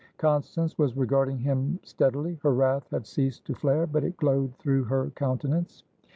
Constance was regarding him steadily. Her wrath had ceased to flare, but it glowed through her countenance.